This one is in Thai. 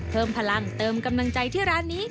เพิ่มพลังเติมกำลังใจที่ร้านนี้